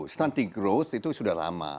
stunting growth itu sudah lama